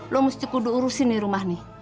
lo mesti cukup diurusin nih rumah nih